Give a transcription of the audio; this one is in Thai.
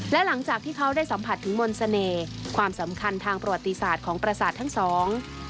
และหลังจากที่เขาได้สัมผัสถึงมนต์เสน่ห์ความสำคัญทางประวัติศาสตร์ของประสาททั้งสอง